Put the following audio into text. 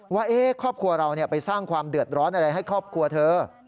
ว่าครอบครัวเราไปสร้างความเดือดร้อนอะไรให้ครอบครัวเธอ